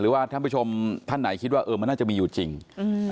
ว่าท่านผู้ชมท่านไหนคิดว่าเออมันน่าจะมีอยู่จริงอืม